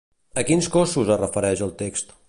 A quins cossos es refereix el text?